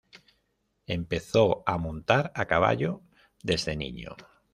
Empezó a montar a caballo desde niño.